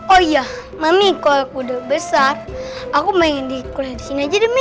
oh iya mami kalau aku udah besar aku mau ingin dikuliah di sini aja deh mi